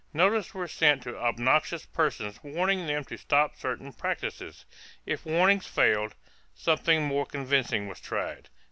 Notices were sent to obnoxious persons warning them to stop certain practices. If warning failed, something more convincing was tried.